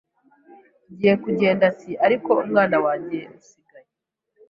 ngiye kugenda ati ariko umwana wanjye usigaye